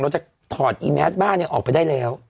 เราจะถอดแน็ตฑ่าเนี่ยออกไปได้แล้ว